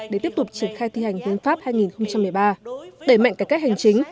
để tiếp tục triển khai thi hành hiến pháp hai nghìn một mươi ba đẩy mạnh cải cách hành chính